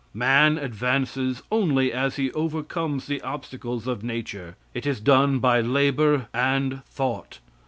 Man advances only as he overcomes the obstacles of nature. It is done by labor and thought.